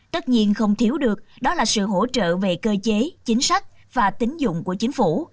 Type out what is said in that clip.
tất nhiên không thiếu được đó là sự hỗ trợ về cơ chế chính sách và tính dụng của chính phủ